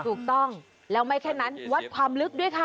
ถูกต้องแล้วไม่แค่นั้นวัดความลึกด้วยค่ะ